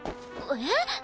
えっ！？